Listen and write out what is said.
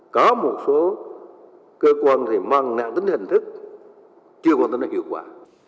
có một số cơ quan thì mang nạn tính hình thức chưa còn tính hiệu quả